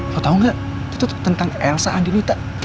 lo tau gak itu tentang elsa andi lita